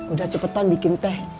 udah cepetan bikin teh